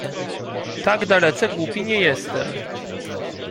"Tak dalece głupi nie jestem."